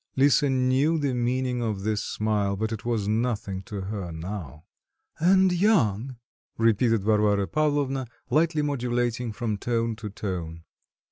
Lisa knew the meaning of this smile, but it was nothing to her now. "And young?" repeated Varvara Pavlovna, lightly modulating from tone to tone.